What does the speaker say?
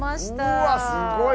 うわっすごい！